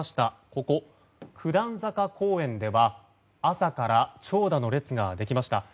ここ、九段坂公園では朝から長蛇の列ができました。